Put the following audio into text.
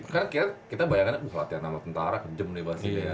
karena kita bayangin lah uh latihan sama tentara kenceng menembaknya ya